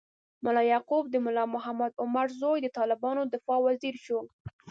ملا یعقوب، د ملا محمد عمر زوی، د طالبانو د دفاع وزیر شو.